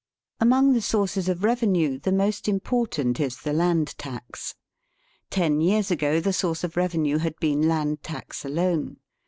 75,606,059 Among the sources of revenue, the most important is the land tax. Ten years ago the source of revenue had been land tax alone.